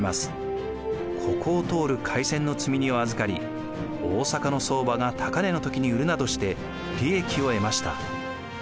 ここを通る廻船の積み荷を預かり大坂の相場が高値の時に売るなどして利益を得ました。